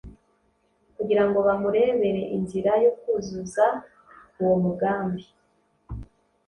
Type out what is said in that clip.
kugira ngo bamurebere inzira yo kuzuzuza uwo mugambi